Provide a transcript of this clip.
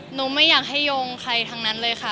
ไม่อยากให้โยงใครทั้งนั้นเลยค่ะ